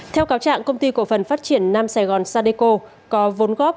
theo cáo trạng công ty cổ phần phát triển nam sài gòn sadeco có vốn góp